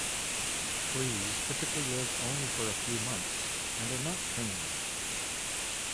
Fleas typically live only for a few months and are not trained.